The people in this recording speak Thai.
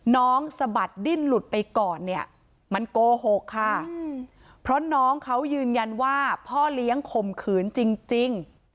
สะบัดดิ้นหลุดไปก่อนเนี่ยมันโกหกค่ะเพราะน้องเขายืนยันว่าพ่อเลี้ยงข่มขืนจริง